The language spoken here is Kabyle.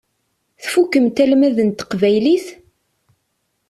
Tfukkemt almad n teqbaylit?